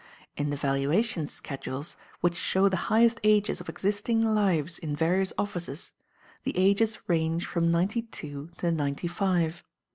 In the valuation schedules, which show the highest ages of existing lives in various offices, the ages range from ninety two to ninety five.